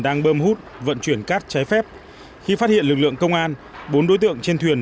đang bơm hút vận chuyển cát trái phép khi phát hiện lực lượng công an bốn đối tượng trên thuyền